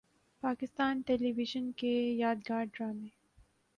Pakistan television کے یادگار ڈرامے